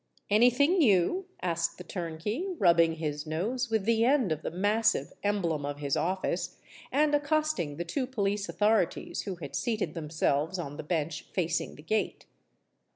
"Any thing new?" asked the turnkey, rubbing his nose with the end of the massive emblem of his office, and accosting the two police authorities, who had seated themselves on the bench facing the gate.